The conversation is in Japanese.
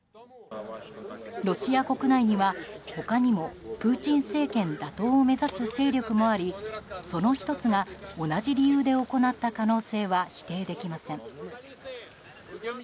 ロシア国内には、他にもプーチン政権打倒を目指す勢力もありその１つが同じ理由で行った可能性は否定できません。